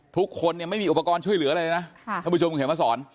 ทุกคนไม่มีอุปกรณ์ช่วยเหลืออะไรเลยนะถ้าผู้ชมเห็นมาสอน